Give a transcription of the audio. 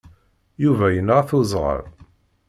Yuba yenɣa-t uẓɣal.